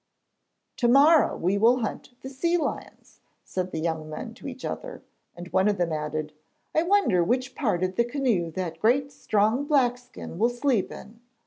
'To morrow we will hunt the sea lions,' said the young men to each other. And one of them added: 'I wonder which part of the canoe that great strong Blackskin will sleep in.'